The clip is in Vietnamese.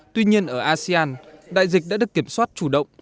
tuy nhiên ở asean đại dịch đã được kiểm soát chủ động